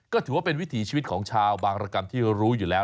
ก็ถือว่าเป็นวิถีชีวิตของชาวบางรกรรมที่รู้อยู่แล้ว